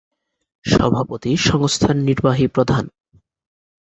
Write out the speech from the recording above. সভাপতি সংস্থার নির্বাহী প্রধান।